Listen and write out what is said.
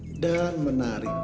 oh suatu banyak yang merepekernya